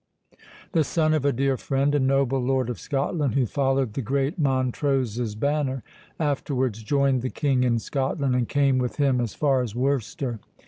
"The son of a dear friend, a noble lord of Scotland, who followed the great Montrose's banner—afterwards joined the King in Scotland, and came with him as far as Worcester.